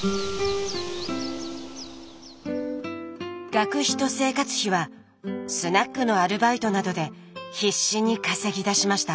学費と生活費はスナックのアルバイトなどで必死に稼ぎ出しました。